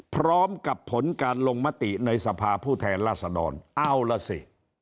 พร้อมกับผลการลงมติในสภาผู้แทนราษฎรเอาล่ะสิ